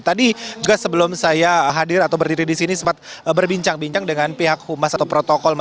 tadi juga sebelum saya hadir atau berdiri di sini sempat berbincang bincang dengan pihak humas atau protokol